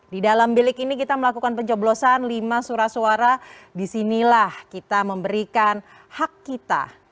di dalam bilik ini kita melakukan pencoblosan lima surat suara disinilah kita memberikan hak kita